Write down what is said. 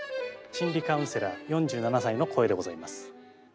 心理カウンセラー４７歳の声でございます。